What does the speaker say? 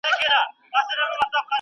ډاکټر د ناروغ وضعیت څېړه.